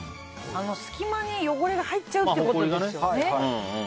隙間に汚れが入っちゃうってことですよね。